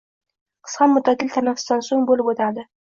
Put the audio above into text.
Qisqa muddatli tanaffusdan soʻng boʻlib oʻtadi.